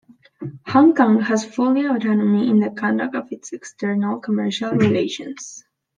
Hong Kong has full autonomy in the conduct of its external commercial relations.